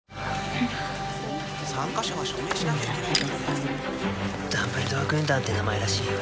・参加者は署名しなきゃいけないんだって・ダンブルドア軍団って名前らしいよ